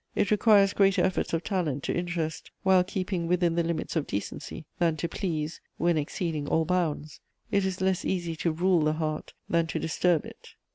It requires greater efforts of talent to interest while keeping within the limits of decency than to please when exceeding all bounds; it is less easy to rule the heart than to disturb it.